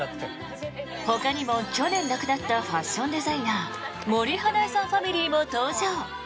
ほかにも去年亡くなったファッションデザイナー森英恵さんファミリーも登場。